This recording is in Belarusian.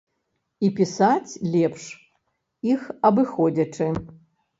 І пісаць лепш, іх абыходзячы.